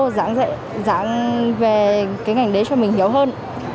giảng về cái ngành đấy cho mình hiểu hơn